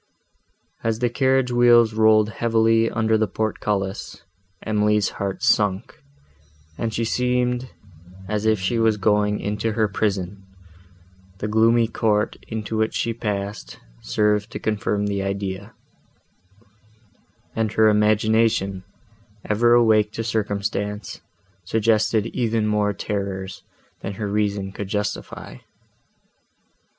As the carriage wheels rolled heavily under the portcullis, Emily's heart sunk, and she seemed, as if she was going into her prison; the gloomy court, into which she passed, served to confirm the idea, and her imagination, ever awake to circumstance, suggested even more terrors, than her reason could justify.